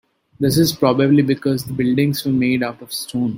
This is probably because the buildings were made out of stone.